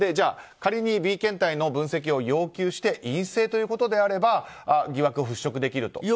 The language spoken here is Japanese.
仮にＢ検体の分析を要求して陰性ということであれば疑惑払拭できると。